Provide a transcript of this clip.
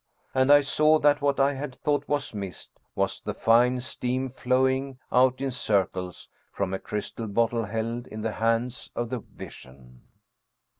And I saw that what I had thought was mist was the fine steam flowing out in circles from a crystal bottle held in the hands of the vision.